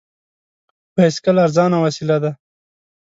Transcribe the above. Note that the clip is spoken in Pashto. بایسکل ارزانه وسیله ده.